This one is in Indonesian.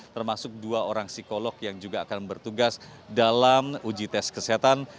termasuk dua orang psikolog yang juga akan bertugas dalam uji tes kesehatan